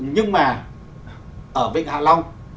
nhưng mà ở vịnh hạ long